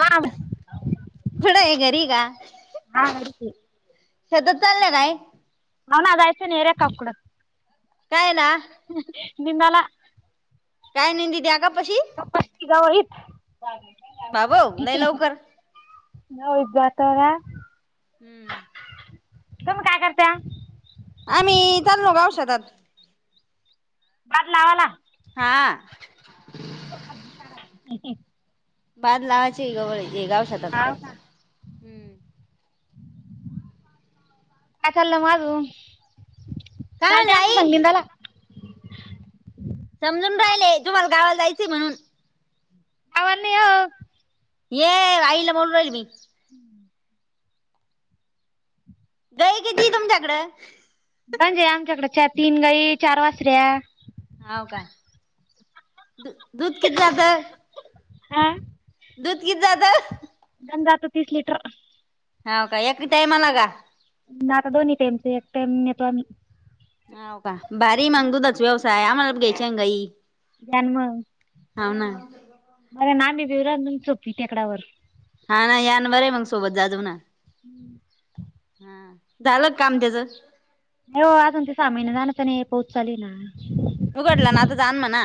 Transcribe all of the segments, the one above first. हा हा कुठंय घरी का? घरीच शेतात चाल्या काय? नवन आयच नेरे काकडत. काय ना. निंदला. काय नंदी द्या का पशी. गावळीत. चाले. भा भाऊ नाही लवकर. नव इत बातावार. हम्म. तुम्ही काय करता. आमही तरणो गाव शेतात. बाद लावाला. हा. [unintelligible] [unintelligible] हॉ ना. हम्म काय चाललं म अजून. काय म्हणलं आई [unintelligible] समजून राहिले एक दिवस गावाला जायच म्हणून. [unintelligible] ये आईला बोलून राहिल मी. [unintelligible] गई किती तुमच्याकडं? म्हणजे, आमच्याकडे चा तीन गाई चार वासऱ्या. हव का. दूध किती जात हा. दूध किती जात? [unintelligible] तीस लिटर हव का एका टाईमला का. ना, आता दोन्ही टाइमच एक टाइम नेतो आम्ही. हो का, भारी मग दुधाच व्यवसाय आम्हाला घ्यायच्या गाई. द्यान हव ना. होय ना आम्ही बी येऊ राहिलो तुमच्या टेकडावर हा ना या ना बरं आहे मग सोबत जाधव ना. [unintelligible] हा झालं काम त्याचं. नाही. हो अजून ते सहामाहिने झाले पाऊस चालू आहे ना. उघडलं ना आता जा ना म्हणा.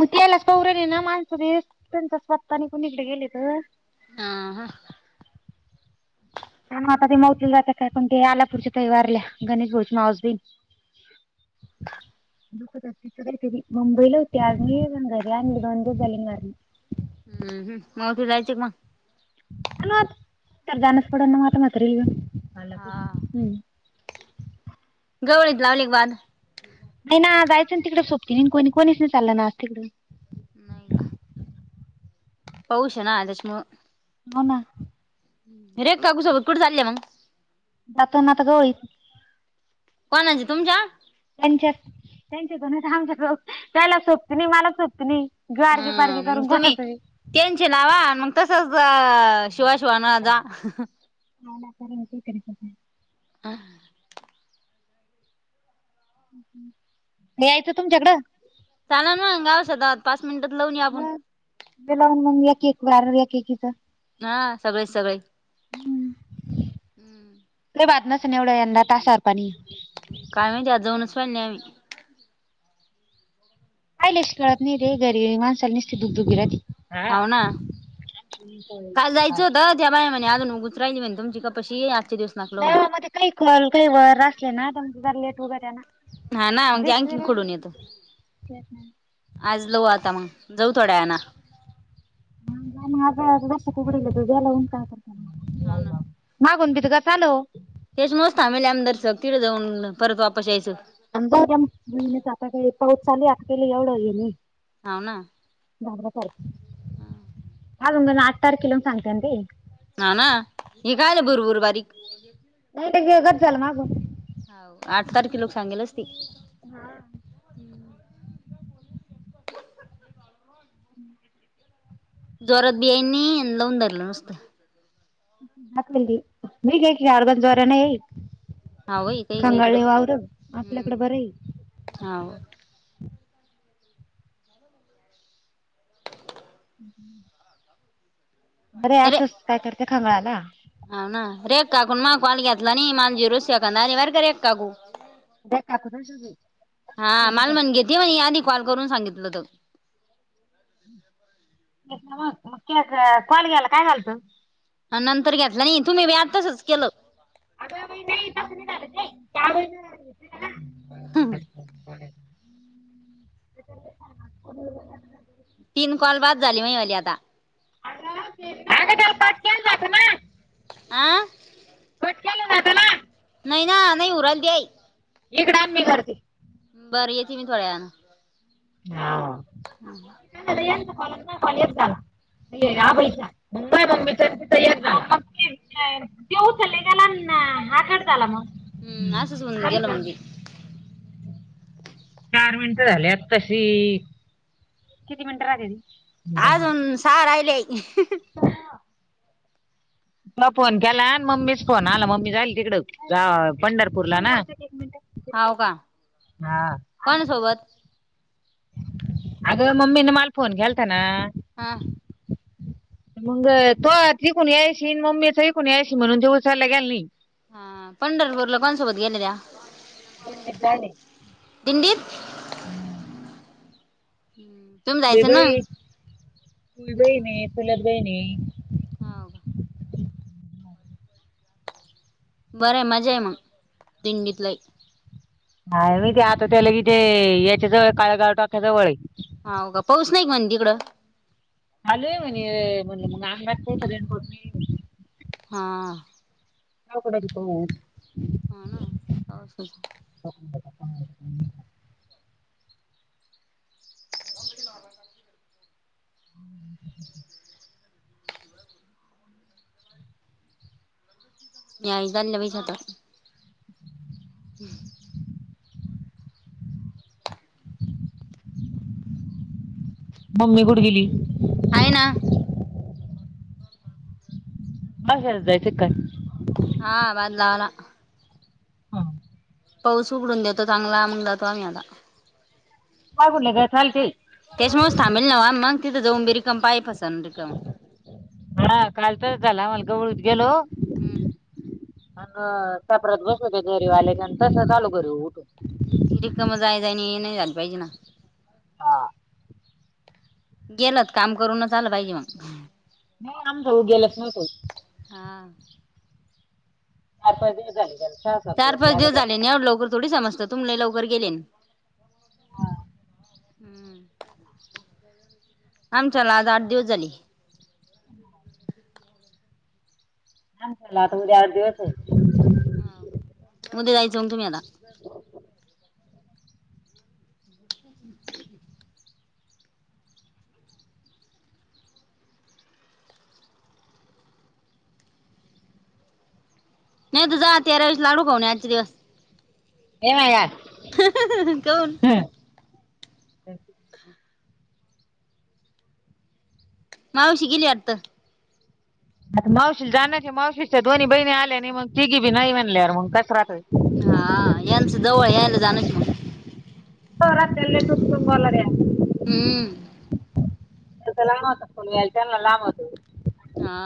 मग त्याला पाहू राहिले ना माणसं बघता नी कुणीकडे गेलेत. ह ह मग, आता ते मौतलीला जात काय पण ते आलापूरच्या ताई वारल्या गणेश भाऊची माऊस बहीण. [inaudible] मुंबईला होती [inaudible] झाले आणि वारली. हम्म हं, मोठी जायचे मग! [unintelligible] हम्म हा, [unintelligible] नाही ना, जायचं ना तिकडे? सोबती नाही! कोणी नाही! चाललं ना आज तिकंडं? नाही गा? पाऊस आहे ना त्याच्यामुळं! हो ना? [unintelligible] [unintelligible] कोणाची तुमच्या? त्यांच्यात [inaudible] त्याला सोबती नाही मला सोबती नाही गारगी पारगी हं, मग करून तुम्ही कोणाचं बी. त्यांचे नावं मग तसंच, अं? [unintelligible] [unintelligible] यायचं तुमच्याकडं? चाला ना गाव सदा पाच मिनिटात लावून आपूण, दे लावून मंग एकेक बार एकेकीचं हा सगळेच सगळे. हम्म ते बातमच निवडं यंदा तासार पाणी, काय म्हणत त्यात जाऊनच पाहिले नाही आम्ही, आईलश कळत नाही रे गरी माणसाला निस्ती दुग- दुगी राती. हाव ना काल जायचं होतं, त्या बाया म्हणे आजून उतराय नाही म्हणे तुमची कपाशी आजचे दिवस नाकलो म्हणे देवामध्ये काही कळंल, काही वळंल असले ना तर ज लेट वगैरे ना, हा ना म्हजे लावून आणखीन खडून येतो. आज लऊ आता मग, जाऊ थोड्या वेळानं. हां गादोस उगडील त जेला उका ह का करता मग, हाव ना, मागून बी त का चालो, तेच नसतं आमही आमदारचं तिथं जाऊन परत वापस यायचं, अन् जाऊद्या मग महिन्यात आता काय पाऊस चाली आता केली एवढं हे नाही. हाव ना जागरा फारख हा... अंग ना आठ तारख किलो सांते ते, हाव ना, हे कायले बुरबुर बारीक. नाही ते वेगळंच झालं माग, हाउ आठ तारखे लोक सांगेलच ती, हा हू.... [unintelligible] हं... जोरात बि येनं नई आणि लावून धरलं नुसतं. नाक लेगी राळगंज वार्या नाही येई हाव बाई काही काही इकडं खगाले वावर आपल्याकडे बरं हम्म आहेई. हाव... ह हू... बरे अरे असंच काय करते खांगाळाला हाव ना, रेख काकूूनं माग कवाल घेतला आणि मांजी झिरोच सेकंद आले बर का रेखा काकू. रेखा काकू [unintelligible] [unintelligible] ते म्हणे आदी कॉल करून सांगितलं होतं. [unintelligible] मग कॉल घ्यायला काय झालतं? हं नंतर घेतला नाही तुम्ही बी आज तसच केलं. अग बाई नाही तसं नाही झालं ते त्या व [unintelligible] [inaudible] तीन कॉल बाद झाली, महि आली आता. अगं ते [unintelligible] अगं तेला पाटल्यानं व आं कट केलं जातं ना नाही ना नाही उराल देय इकड आन मी करती. बर येती मी थोड्यान. हा. [unintelligible] [inaudible] [inaudible] त्यो उचलेलाना हा कट झाला म. हम्म, असंच होऊन गेलं म्हणजे चार मिनिटं झाले तशी, किती मिनटं राहतेती? अजून सहा राहिलेय. म फोन केला मम्मीच फोन आला, मम्मी जाईल तिकड पंढरपूरला ना. हाव का हा. कोणा सोबत अग मम्मीन मला फोन केलता ना. हा मग तो तिकून यायशी मम्मीचा इिकून यायशी म्हणून देऊ सरायला गेल नाही. हा पंढरपूरला कोणसोबत गेल्या त्या? दिंडीत जायले. दिंडीत? तुम्ही जायचं ना बीबाई, चुलतबहीण हेय चुलतबहीण हेय. हाव. बरय मजे मग दिंडीतलई. ह, मी ते आता त्याला किथे याच्या जवळ काळेगाव टाक्याजवळ हाय. हाव का पाऊस नाही का म्हण तिकडं? लय म्हणे म्हण मग आमंगात तो पर्यंत होती हां. [unintelligible] [unintelligible] [inaudible] [unintelligible] [unintelligible] हम्म. मम्मी कुठं गेली? आहे ना. मगर जायचे काय? हा बदलावला. हा. पाऊस उघडून देतो चांगला म्हग जातो आम्ही आता. काय बलं का चालते त्यासमुळेच थबेल ना मग तिथ जाऊ बी रिकम पाय फस रिकम. हा काल तरच झाला मलगवळीत गेलो. हम. अ, सापरत बसलते घरी आल्याच्या आणि तस आलो घरी उठून ती रिकम जाय, जा नाही नाही झाली पाहिजे ना. हा गेलत काम करून झालं पाहिजे मग. नाही, आम जाऊ गेलाच नाही कई. हां. आपण ब ग करत. [inaudible] चार पाच दिवस झाले. एवढ्या लवकर थोडी समजत तुम्ही लवकर गेले. हा हम्म आमच्याला आज आठ दिवस झाले. छान झाल आता उद्या आठ दिवस होतील. ऊद्या जायचं तुम्ही आता- [inaudible] [inaudible] नाही तु जा तेरा वीस लाडू खाऊन [unintelligible] येव याज [unintelligible] कोण मावशी गेली वाटतं आ मावशी जाणराय मावशीशच्या दोन्ही बहिणी आल्या आणि मग तिघी बी नाही म्हनल्यावर मग कस राहतं. हा यांचं जवळ यायला जाण कि मग रातल् तु तुलर्या [inaudible] हम्म त्याचा लांब होता, लांब होत [inaudible] हा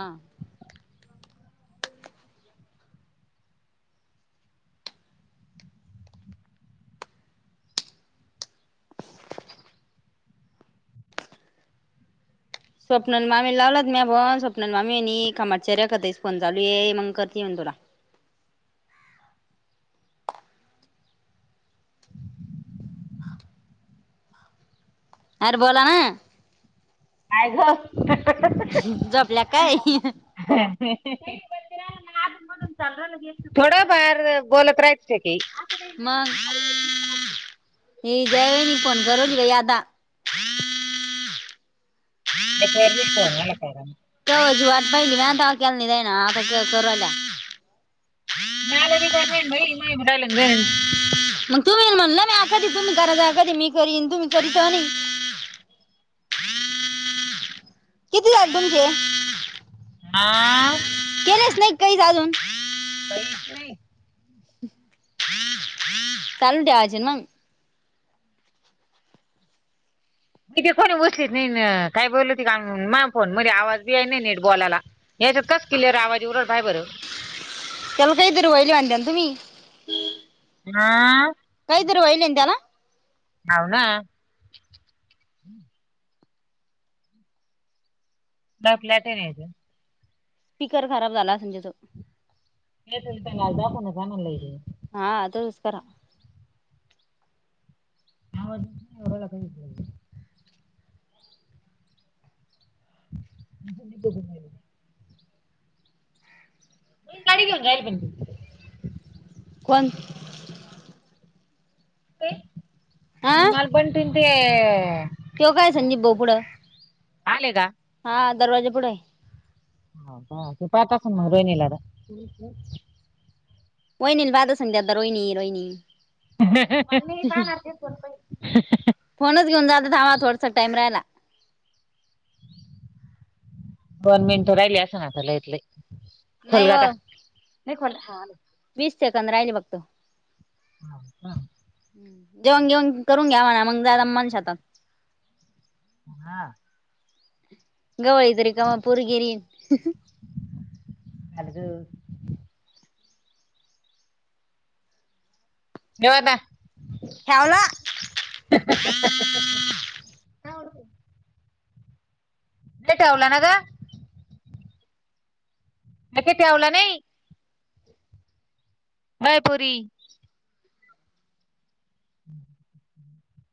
स्वपनान मामी लावलात म्या फोन स्वपना मामीनी कामाचीचेर्या करतस फोन चालू ये मग करत येऊन तुला. अरे बोला ना. काय ग झोपल्या का काय. ह [inaudible] चा थोडफार बोलत राहायचं की. मग हे जायनी फोन करूली गयादा [inaudible] नाहीला का [inaudible] तजी वाट पाहिली मता केला नाही जाय ना आता कवायला [inaudible] मळे वि तर्ण बाईमा विडाल [inaudible] मग तुम्ही म्हणलं मी अखधी तुम्ही करायच अखधी मी करीन तुम्ही करीता आणि [inaudible] किती झाले तुमचे? हा [unintelligible] केलेच नाही काही जा अजून. काहीच नाही. चालु ठेवायचे ना फोन किती फोन बसलीत नाहीन काय बोलल होती का मा फोन म्हणे आवाज बी आहे ना नेट बोलायला. याच्यात कसं क्लिअर आवाज येऊ पाह बरं त्याला काही दर वहिली आणध्या तुम्ही [inaudible] आ.. कायतर वहिलें ना. आव ना- का प्ले [unintelligible] टे नाही स्पीकर खराब झाला असलं तेचा. हेच दख ना जाये [inaudible] हा तसंच करा. हला [inaudible] [unintelligible] [inaudible] तो घुम [inaudible] म गाडी घेन [inaudible] राहिलण कोण. [inaudible] मन मल [inaudible] बन त ते तेव काय संजीप बोपडं. आले का. हा दरवाजे पुढे [inaudible] हो बा त [inaudible] पाठास मगर [inaudible] येनल [inaudible] हो निल वाद स संंग द्या [inaudible] रोय रोयनी [unintelligible] [inaudible] काणण फोनच घेऊनात [inaudible] ावा थोडस टईम राहिला. दोन मिनटं राहिली अस स [inaudible] नाला इथले नाही खलगाता हो [inaudible] ख वीस सेकंद राहिले [inaudible] बघत हा. हा. जेवण घेऊन करून घ्यावाणा मग जाला मनशातात. हा. गवाळतरी का म [inaudible] पुरगर [inaudible] अज [unintelligible] [inaudible] घवाता ठेवला ठेवला ना [inaudible] का अख तेवला नाही. वयपुरी. [unintelligible] [inaudible] हम्